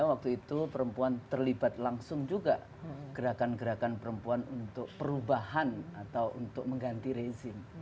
waktu itu perempuan terlibat langsung juga gerakan gerakan perempuan untuk perubahan atau untuk mengganti rezim